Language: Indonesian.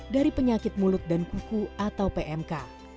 dari penyakit mulut dan kuku atau pmk